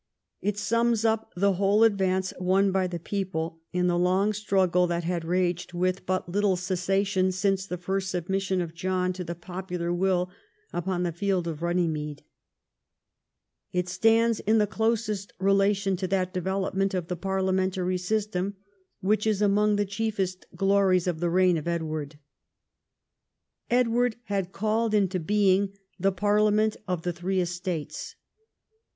It sums up the whole advance won by the people in the long struggle, that had raged with but little cessation since the first submission of John to the popular will upon the field of Runnymede. It stands in the closest relation to that development of the parliamentary system which is among the chief est glories of the reign of Edward. Edward had called into being the parliament of the thi'ee estates.